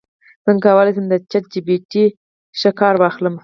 څنګه کولی شم د چیټ جی پي ټي ښه کار واخلم